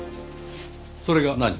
それが何か？